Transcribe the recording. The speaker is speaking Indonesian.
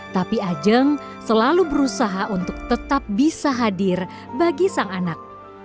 tapi ajeng selalu berusaha untuk tetap bisa hadir bagi sang anak